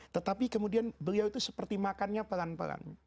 tetapi kemudian beliau itu seperti makannya pelan pelan